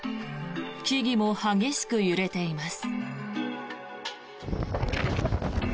木々も激しく揺れています。